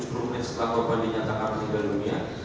kurang lebih tujuh puluh menit setelah korban dinyatakan meninggal dunia